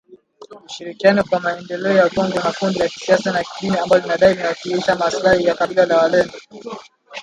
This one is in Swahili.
Ushirikiano kwa Maendeleo ya kongo na kundi la kisiasa na kidini ambalo linadai linawakilisha maslahi ya kabila la walendu.